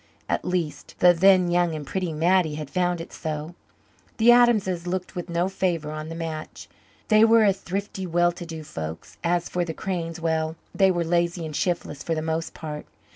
At least the then young and pretty Mattie had found it so. The Adamses looked with no favour on the match. They were a thrifty, well to do folk. As for the Cranes well, they were lazy and shiftless, for the most part.